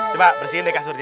coba bersihin deh kasurnya